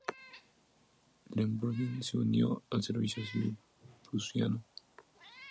Eulenburg se unió al servicio civil prusiano.